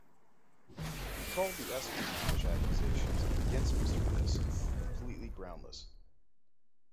He called the espionage accusations against Mr. Hiss completely groundless.